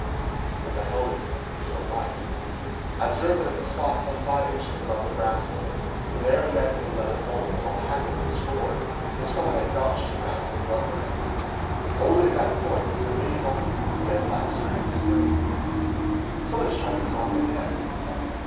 As I held it to the light I observed that at a spot some five inches above the brass tip the narrow neck of the leather funnel was all haggled and scored, as if someone had notched it round with a blunt knife. Only at that point was there any roughening of the dead black surface. "Someone has tried to cut off the neck."